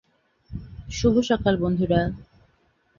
শুভ সকাল, বন্ধুরা।